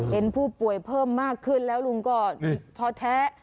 เห็นผู้ป่วยเพิ่มมากขึ้นแล้วลุงก็ท้อแท้